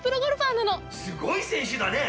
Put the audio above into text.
すごい選手だね！